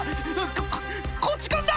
ここっち来んな！」